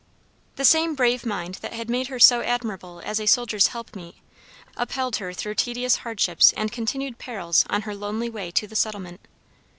The same brave mind that had made her so admirable as a soldier's helpmeet, upheld her through tedious hardships and continued perils on her lonely way to the settlement.